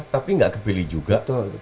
tapi nggak kepilih juga